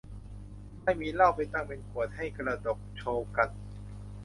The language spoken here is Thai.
ไม่มีเหล้าไปตั้งเป็นขวด ให้กระดกโชว์กัน